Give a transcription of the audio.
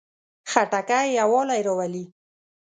خټکی یووالی راولي.